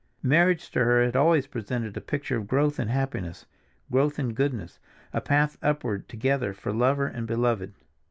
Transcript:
Marriage to her had always presented a picture of growth in happiness, growth in goodness, a path upward together for lover and beloved.